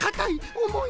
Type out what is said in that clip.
おもい！